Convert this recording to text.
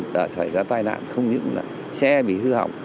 đã xảy ra tai nạn không những là xe bị hư hỏng